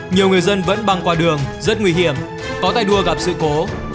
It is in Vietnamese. nhiều người dân vẫn băng qua đường rất nguy hiểm có tay đua gặp sự cố